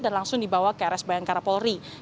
langsung dibawa ke rs bayangkara polri